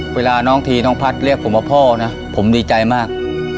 เวลาน้องทีน้องพัฒน์เรียกผมว่าพ่อนะผมดีใจมาก